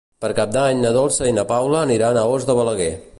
Per Cap d'Any na Dolça i na Paula aniran a Os de Balaguer.